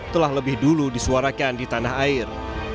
telah lebih dulu disuarakan di tanah air